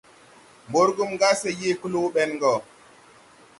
Burgum ga se yee kluu ɓen go.